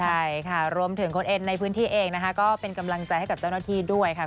ใช่ค่ะรวมถึงคนอื่นในพื้นที่เองนะคะก็เป็นกำลังใจให้กับเจ้าหน้าที่ด้วยค่ะ